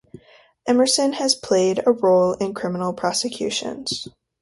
Emerson has played a role in criminal prosecutions.